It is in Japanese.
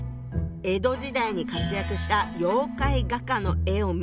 江戸時代に活躍した妖怪画家の絵を見てみると。